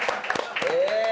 え！